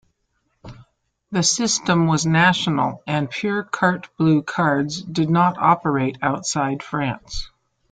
The system was national, and pure Carte Bleue cards did not operate outside France.